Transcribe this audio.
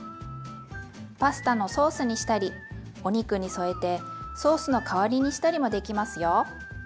パスタのソースにしたりお肉に添えてソースの代わりにしたりもできますよ。